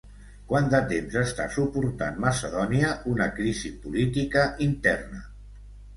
Quant de temps està suportant Macedònia una crisi política interna?